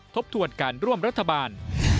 ทบทวนการร่วมรัฐบาล